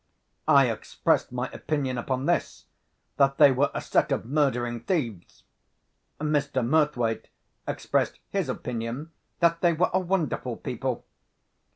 I expressed my opinion upon this, that they were a set of murdering thieves. Mr. Murthwaite expressed his opinion that they were a wonderful people.